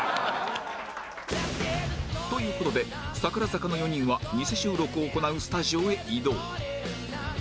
という事で櫻坂の４人はニセ収録を行うスタジオへ移動